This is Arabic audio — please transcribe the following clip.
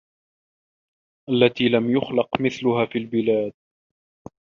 الَّتي لَم يُخلَق مِثلُها فِي البِلادِ